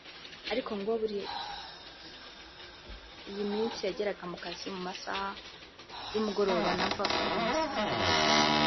ariko ngo muri iyi minsi yageraga mu kazi mu masaha y’umugoroba nabwo agakora amasaha atarenze ane